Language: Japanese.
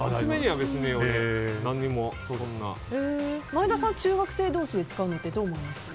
前田さん、中学生同士で使うのはどう思います？